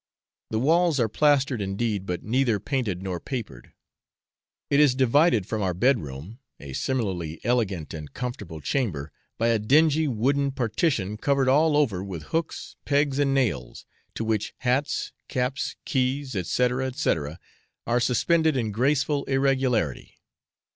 The walls are plastered indeed, but neither painted nor papered; it is divided from our bed room (a similarly elegant and comfortable chamber) by a dingy wooden partition covered all over with hooks, pegs, and nails, to which hats, caps, keys, &c. &c., are suspended in graceful irregularity.